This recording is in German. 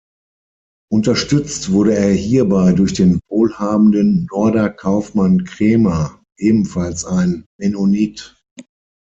Unterstützt wurde er hierbei durch den wohlhabenden Norder Kaufmann Cremer, ebenfalls ein Mennonit.